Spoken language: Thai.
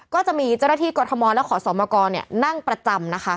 ก็จะมีเจ้าหน้าที่กรทมและขอสมกรนั่งประจำนะคะ